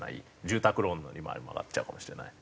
住宅ローンの利回りも上がっちゃうかもしれない。